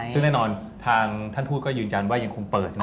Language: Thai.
ซึ่งแน่นอนทางท่านทูตก็ยืนยันว่ายังคงเปิดนะ